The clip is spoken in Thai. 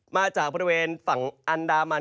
มาจากบริเวณฝั่งอันดามัน